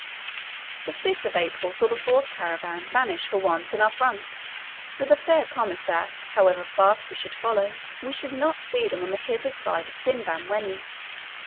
The 5th of April saw the fourth caravan vanish for once in our front, with a fair promise that, however fast we should follow, we should not see them the hither side of Sinbamwenni.